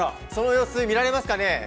その様子見られますかね。